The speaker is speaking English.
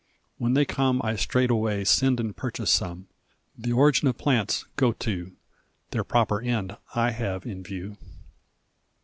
When they come, I straightway send and purchase some. The Origin of Plants go to! Their proper end I have in view.